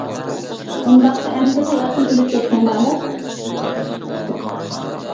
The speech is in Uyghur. -ئۇنداقتا ئەمسە تاياقتىن ئۆلۈپ كەتكۈڭ بارمۇ؟ !